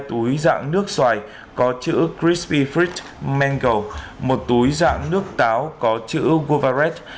hai túi dạng nước xoài có chữ crispy fruit mango một túi dạng nước táo có chữ goveret